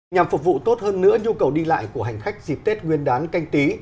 nhằm phục vụ tốt hơn nữa nhu cầu đi lại của hành khách dịp tết nguyên đán canh tí